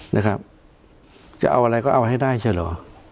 จะเอาเอาอะไรก็เอาไว้ให้ได้ใช่หรือ